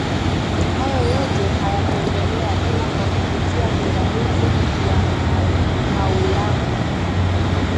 Hayo yote hayakuendelea ila kwa kupitia pingamizi ya maulamā